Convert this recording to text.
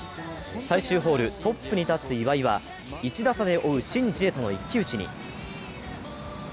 最終ホールトップに立つ岩井は１打差で追うシンジエとの一騎打ちに。